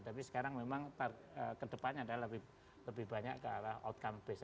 tapi sekarang memang kedepannya adalah lebih banyak ke arah outcome base